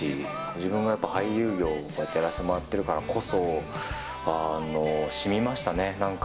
自分がやっぱ俳優業を、こうやってやらしてもらってるからこそ、しみましたね、なんか。